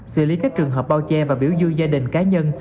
xử lý các trường hợp bao che và biểu dư gia đình cá nhân